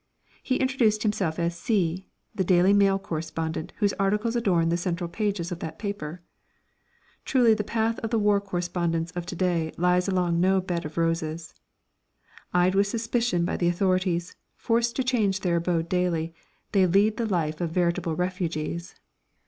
He introduced himself as C , the Daily Mail correspondent whose articles adorn the central pages of that paper. Truly the path of the war correspondents of to day lies along no bed of roses! Eyed with suspicion by the authorities, forced to change their abode daily, they lead the life of veritable refugees.